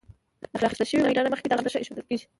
له راخیستل شوې وینا نه مخکې دغه نښه ایښودل کیږي.